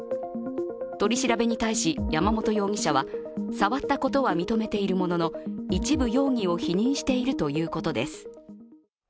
取り調べに対し山本容疑者は、触ったことは認めているものの一部容疑を否認しているということです。